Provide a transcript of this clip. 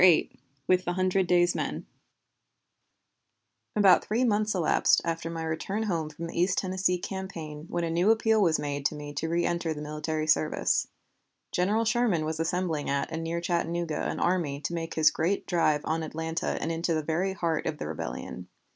VIII WITH THE HUNDRED DAYS MEN About three months elapsed after my return home from the East Tennessee campaign when a new appeal was made to me to reënter the military service. General Sherman was assembling at and near Chattanooga an army to make his great drive on Atlanta and into the very heart of the rebellion.